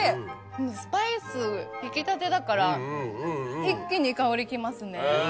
スパイスひきたてだから一気に香りきますね。